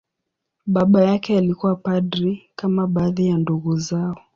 Baba yake alikuwa padri, kama baadhi ya ndugu zao.